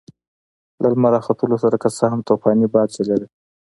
له لمر راختلو سره که څه هم طوفاني باد چلېده.